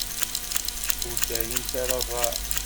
Ur terrimt ara aḍar.